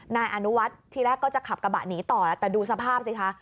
นายอนุวัฒน์ทีแรกก็จะขับกระบะหนีต่อแล้วแต่ดูสภาพสิคะ